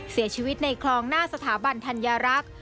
เสียชีวิตในคลองหน้าสถาบันธัญรักษ์